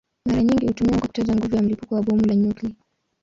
Mara nyingi hutumiwa kwa kutaja nguvu ya mlipuko wa bomu la nyuklia.